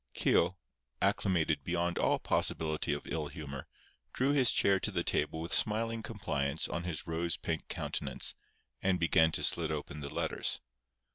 Keogh, acclimated beyond all possibility of ill humour, drew his chair to the table with smiling compliance on his rose pink countenance, and began to slit open the letters.